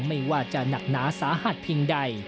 ไม่ว่าจะหนักหนาสาหัสเพียงใด